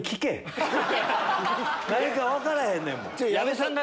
何か分からへんねんもん。